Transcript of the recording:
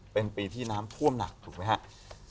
เป็นปีที่น้ำท่วมหนักถูกไหมครับ